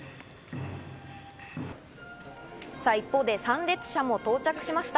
さぁ、一方で参列者も到着しました。